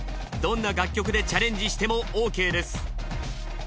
どんな楽曲でチャレンジしてもオーケーです。